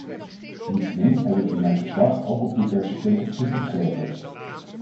Niettemin heb ik in mijn verslag ook op diverse punten kritiek geleverd.